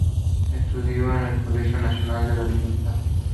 Estudió en el Colegio Nacional de La Libertad.